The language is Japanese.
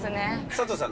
佐藤さん。